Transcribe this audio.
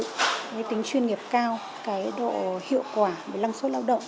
cái tính chuyên nghiệp cao cái độ hiệu quả về năng suất lao động